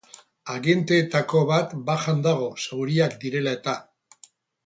Agenteetako bat bajan dago zauriak direla eta.